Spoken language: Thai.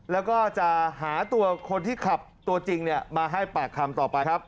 แล้วก็จะหาตัวคนที่ขับตัวจริงมาให้ปากคำต่อไปครับ